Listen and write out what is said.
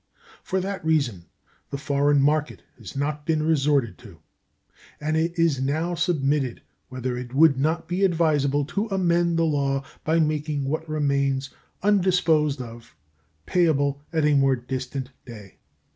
For that reason the foreign market has not been resorted to; and it is now submitted whether it would not be advisable to amend the law by making what remains undisposed of payable at a more distant day.